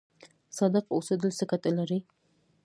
صادق اوسیدل څه ګټه لري؟